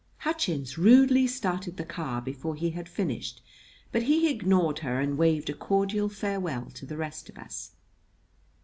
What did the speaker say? Hutchins rudely started the car before he had finished; but he ignored her and waved a cordial farewell to the rest of us.